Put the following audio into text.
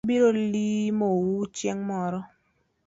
Abiro limo u chieng’ moro